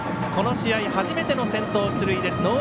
この試合、初めての先頭出塁です。